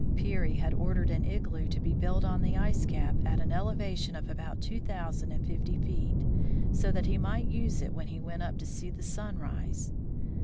Peary had ordered an igloo to be built on the ice cap at an elevation of about two thousand and fifty feet, so that he might use it when he went up to see the sun rise.